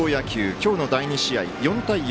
今日の第２試合、４対４